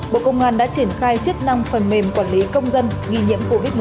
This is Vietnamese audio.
bộ công an đã triển khai chức năng phần mềm quản lý công dân nghi nhiễm covid một mươi chín